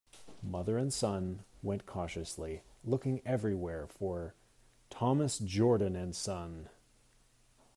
Mother and son went cautiously, looking everywhere for “Thomas Jordan and Son”.